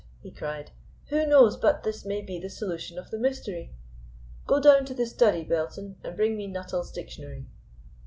he cried, "who knows but this may be the solution of the mystery? Go down to the study, Belton, and bring me Nuttall's Dictionary."